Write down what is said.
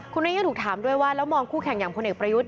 คุณนายกถูกถามด้วยว่าแล้วมองคู่แข่งอย่างพลเอกประยุทธ์